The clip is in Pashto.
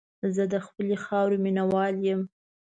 زه د خپلې خاورې مینه وال یم.